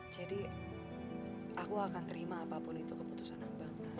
jadi aku akan terima apapun itu keputusan abang